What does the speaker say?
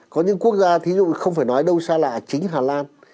có những quốc gia thí dụ không phải nói đâu xa lạ chính hà lan